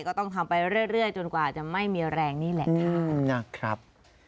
ก็ต้องทำไปเรื่อยจนกว่าจะไม่มีแรงนี่แหละค่ะนะครับ